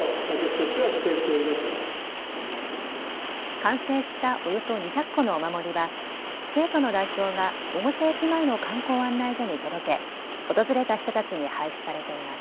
完成したおよそ２００個のお守りは生徒の代表が越生駅前の観光案内所に届け、訪れた人たちに配布されています。